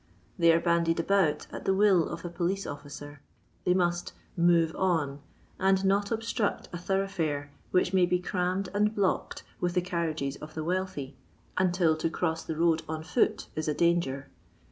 They are bandied about at the will of a police officer. They must " move on " and not obstruct a thoroughfare which may be crammed and blocked with the carriages of the wealthy until to cross the road on foot is a danger.